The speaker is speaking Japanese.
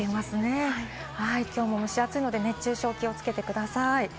きょうも蒸し暑いので熱中症に気をつけてください。